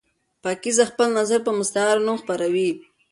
پاکیزه خپل نظر په مستعار نوم خپروي.